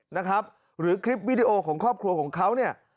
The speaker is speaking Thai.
นะครับหรือคลิปวิดีโอของครอบครัวของเขาเนี่ย